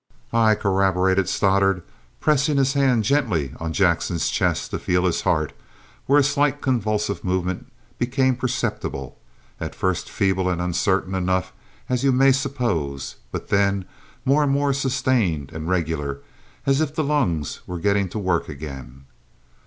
"Aye, sir," corroborated Stoddart, pressing his hand gently on Jackson's chest, to feel his heart, where a slight convulsive movement became perceptible, at first feeble and uncertain enough, as you may suppose, but then more and more sustained and regular, as if the lungs were getting to work again.